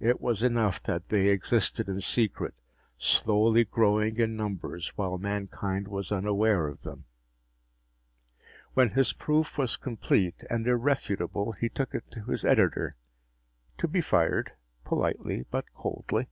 It was enough that they existed in secret, slowly growing in numbers while mankind was unaware of them. When his proof was complete and irrefutable, he took it to his editor to be fired, politely but coldly.